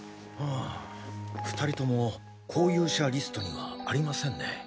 ２人とも交友者リストにはありませんね。